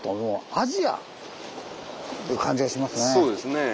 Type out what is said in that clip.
そうですね。